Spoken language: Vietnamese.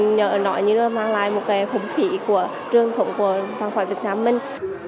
nói như là mang lại một cái khủng khi của truyền thống của văn hóa việt nam mình